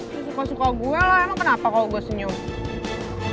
dia suka suka gue lah emang kenapa kalau gue senyum